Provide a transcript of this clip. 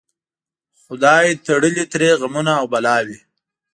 خدای تړلي ترې غمونه او بلاوي